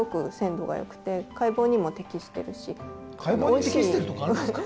解剖に適してるとかあるんすか？